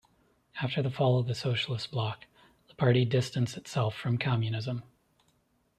After the fall of the Socialist Bloc, the party distanced itself from communism.